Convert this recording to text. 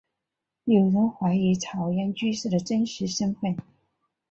有人怀疑草庵居士的真实身份。